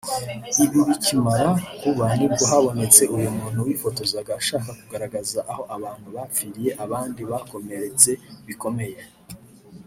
ibi bikimara kuba nibwo habonetse uyu muntu wifotozaga ashaka kugaragaza aho abantu bapfiriye abandi bakomeretse bikomeye